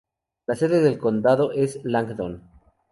La sede del condado es Langdon.